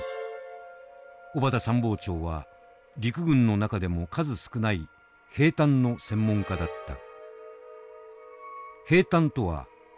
小畑参謀長は陸軍の中でも数少ない兵站の専門家だった。